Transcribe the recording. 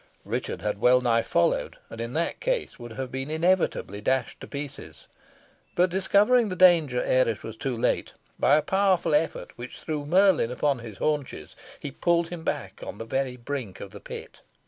Richard had wellnigh followed, and in that case would have been inevitably dashed in pieces; but, discovering the danger ere it was too late, by a powerful effort, which threw Merlin upon his haunches, he pulled him back on the very brink of the pit.